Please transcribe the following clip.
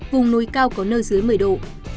vùng núi cao có nơi dưới một mươi độ